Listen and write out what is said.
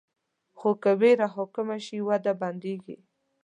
خو که ویره حاکمه شي، وده بندېږي.